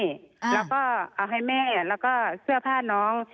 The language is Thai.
แล้วก็เอาให้แม่แล้วก็เสื้อผ้าน้อง